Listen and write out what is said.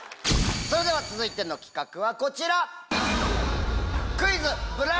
それでは続いての企画はこちら！